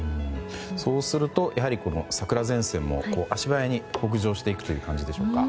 そうするとやはり桜前線も足早に北上していくという感じでしょうか。